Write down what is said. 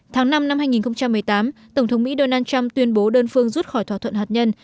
tháng năm năm hai nghìn một mươi tám tổng thống mỹ donald trump tuyên bố đơn phương rút khỏi thỏa thuận hạt nhân